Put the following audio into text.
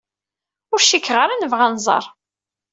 Ur cikkeɣ ara nebɣa ad nẓer.